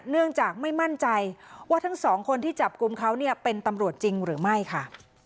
เนื่องจากไม่มั่นใจว่าทั้งสองคนที่จับกลุ่มเขาเนี่ยเป็นตำรวจจริงหรือไม่ค่ะ